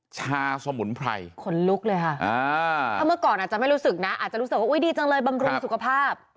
ชาสมุนไพรขนลุกเลยค่ะถ้าเมื่อก่อนอาจจะไม่รู้สึกนะอาจจะรู้สึกว่าอุ๊ยดีจังเลยบำรุงสุขภาพ